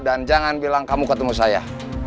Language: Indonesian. dan jangan bilang kamu ketemu saya